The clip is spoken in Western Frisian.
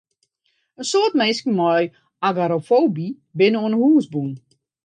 In soad minsken mei agorafoby binne oan hûs bûn.